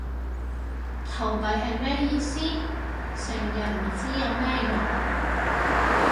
投幣係咩意思？成日唔知有咩用